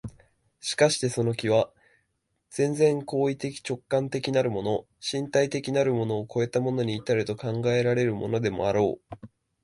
しかしてその極、全然行為的直観的なるもの、身体的なるものを越えたものに到ると考えられるでもあろう。